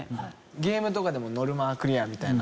ゲームとかでもノルマクリアみたいな。